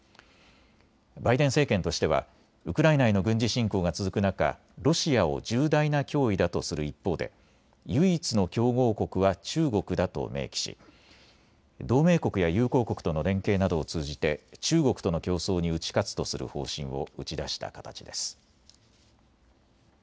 バイデン政権としてはウクライナへの軍事侵攻が続く中、ロシアを重大な脅威だとする一方で唯一の競合国は中国だと明記し同盟国や友好国との連携などを通じて中国との競争に打ち勝つとする方針を打ち出した形です。